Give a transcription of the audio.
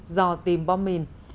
rò tìm bom mìn